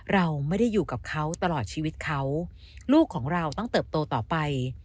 เราไม่ได้อยู่กับเขาตลอดชีวิตเขาลูกของเราต้องเติบโตต่อไป